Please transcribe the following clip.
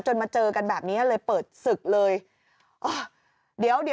จนมาเจอกันแบบนี้เลยเปิดศึกเลย